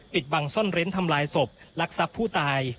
ปิดบังซ่อนเร้นทำลายศพลักทรัพย์ผู้ตาย